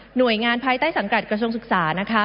หน่วยงานภายใต้สังกัดกระทรวงศึกษานะคะ